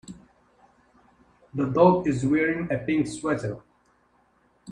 The dog is wearing a pink sweater.